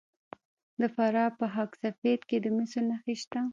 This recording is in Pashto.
د فراه په خاک سفید کې د مسو نښې شته.